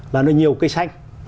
là nó nhiều cây xanh